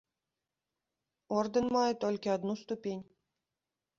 Ордэн мае толькі адну ступень.